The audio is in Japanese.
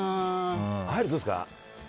あれどうですか？